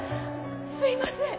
すいません！